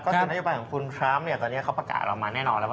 ก็สินัยยุบัติของคุณทรัมพ์ตอนนี้เขาประกาศออกมาแน่นอนแล้วครับ